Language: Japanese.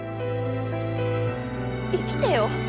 生きてよ